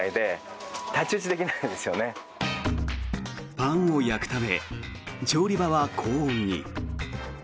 パンを焼くため調理場は高温に。